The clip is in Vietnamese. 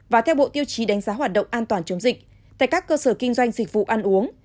và theo bộ tiêu chí đánh giá hoạt động an toàn chống dịch tại các cơ sở kinh doanh dịch vụ ăn uống